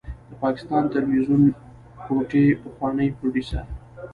د پاکستان تلويزيون کوټې پخوانی پروديوسر